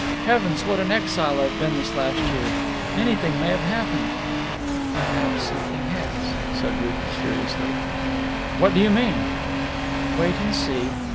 Heavens, what an exile I've been this last year! Anything may have happened!" "Perhaps something has," said Ruth mysteriously. "What do you mean?" "Wait and see.